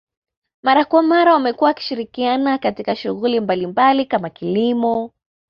Mara kwa mara wamekuwa wakishirikiana katika shughuli mbalimbali kama kilimo